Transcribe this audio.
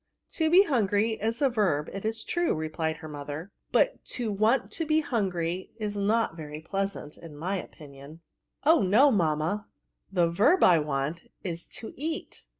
" To be hungry, is a verb, it is true," replied her mother ;" but to want to be hungry is not very pleasant, in my opinion." F 3 54 VSRBS* ^' Oh no, mamma, the verb I want, is to eat."